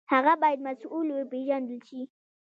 هغه باید مسوول وپېژندل شي.